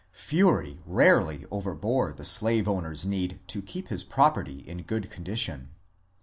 Fury rarely overbore the slaveowner's need to keep his property in good condition.